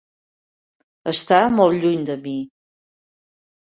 Està molt lluny de mi.